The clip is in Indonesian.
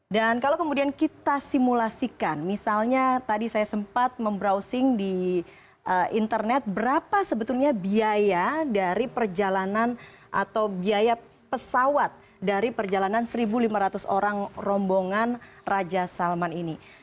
dan kalau kemudian kita simulasikan misalnya tadi saya sempat membrowsing di internet berapa sebetulnya biaya dari perjalanan atau biaya pesawat dari perjalanan satu lima ratus orang rombongan raja salman ini